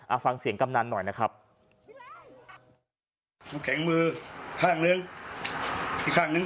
เอาฟังเสียงกำนันหน่อยนะครับน้ำแข็งมือข้างหนึ่งอีกข้างหนึ่ง